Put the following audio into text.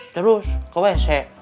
terus ke wc